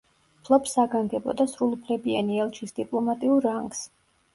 ფლობს საგანგებო და სრულუფლებიანი ელჩის დიპლომატიურ რანგს.